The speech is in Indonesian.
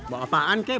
bawa apaan kek